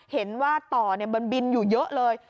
เห็นว่าต่อมันบินอยู่เยอะเลย